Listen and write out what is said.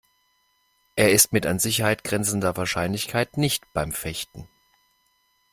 Er ist mit an Sicherheit grenzender Wahrscheinlichkeit nicht beim Fechten.